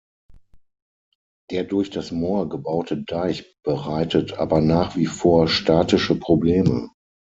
Der durch das Moor gebaute Deich bereitet aber nach wie vor statische Probleme.